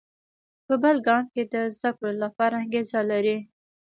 په بل ګام کې د زده کړو لپاره انګېزه لري.